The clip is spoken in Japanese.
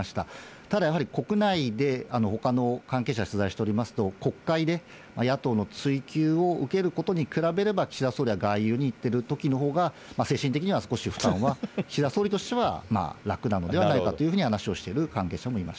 ただやっぱり、国内でほかの関係者を取材しておりますと、国会で野党の追及を受けることに比べれば、岸田総理は外遊に行ってるときのほうが精神的には少し負担は、岸田総理としては楽なのではないかという話をしている関係者もいました。